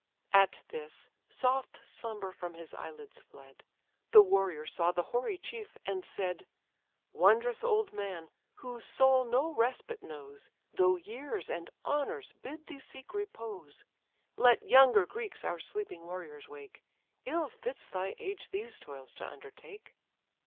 At this, soft slumber from his eyelids fled; The warrior saw the hoary chief, and said: "Wondrous old man! whose soul no respite knows, Though years and honours bid thee seek repose, Let younger Greeks our sleeping warriors wake; Ill fits thy age these toils to undertake."